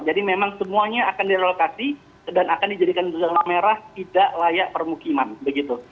jadi memang semuanya akan direlokasi dan akan dijadikan zona merah tidak layak permukiman begitu